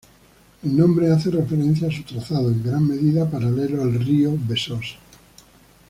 El nombre hace referencia a su trazado, en gran medida paralelo al río Besós.